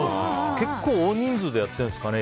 結構、大人数でやっているんですかね。